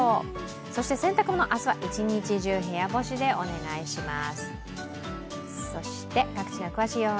そして洗濯物、明日は一日中部屋干しでお願いします。